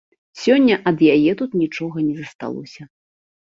Сёння ад яе тут нічога не засталося.